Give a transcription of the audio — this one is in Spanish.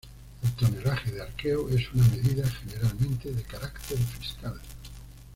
El tonelaje de arqueo es una medida, generalmente, de carácter fiscal.